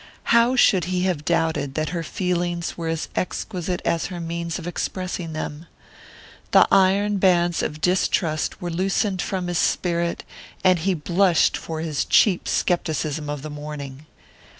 How should he have doubted that her feelings were as exquisite as her means of expressing them? The iron bands of distrust were loosened from his spirit, and he blushed for his cheap scepticism of the morning.